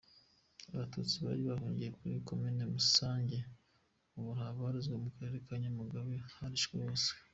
Abatutsi bari bahungiye kuri Komini Musange ubu habarizwa mu karere ka Nyamagabe, barishwe bose.